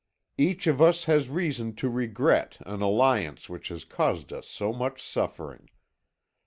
Each of us has reason to regret an alliance which has caused us so much suffering.